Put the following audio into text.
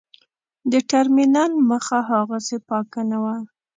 د ټرمینل مخه هاغسې پاکه نه وه.